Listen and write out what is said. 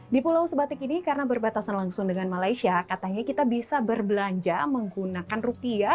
di pulau sebatik ini karena berbatasan langsung dengan malaysia katanya kita bisa berbelanja menggunakan rupiah